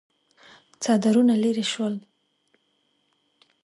څادرونه ليرې شول.